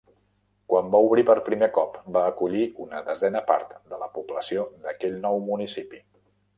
Quan va obrir per primer cop, va acollir una desena part de la població d'aquell nou municipi.